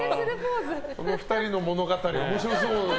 この２人の物語、面白そう。